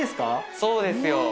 そうですよ。